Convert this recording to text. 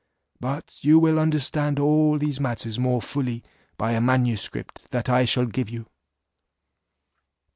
But you will understand all these matters more fully by a manuscript that I shall give you."